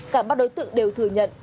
cả ba đối tượng đều thừa nhận